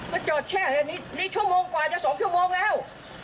ห้ะจอดแช่แล้วนี่นี่ชั่วโมงควายจะสองชั่วโมงแล้ว